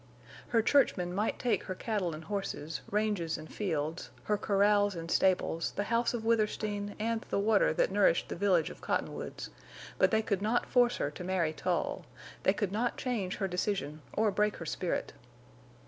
Her churchmen might take her cattle and horses, ranges and fields, her corrals and stables, the house of Withersteen and the water that nourished the village of Cottonwoods; but they could not force her to marry Tull, they could not change her decision or break her spirit.